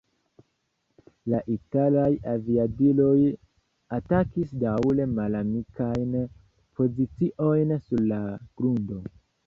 La italaj aviadiloj atakis daŭre malamikajn poziciojn sur la grundo.